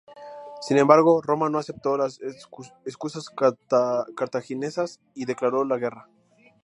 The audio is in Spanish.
Sin embargo, Roma no aceptó las excusas cartaginesas, y declaró la guerra.